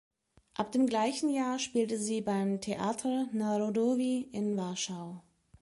Ab dem gleichen Jahr spielte sie beim Teatr Narodowy in Warschau.